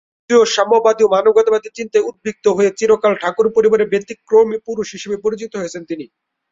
যদিও সাম্যবাদী ও মানবতাবাদী চিন্তায় উদ্বুদ্ধ হয়ে চিরকাল ঠাকুর পরিবারের ব্যতিক্রমী পুরুষ হিসেবে পরিচিত হয়েছেন তিনি।